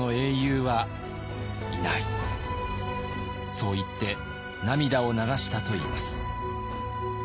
そう言って涙を流したといいます。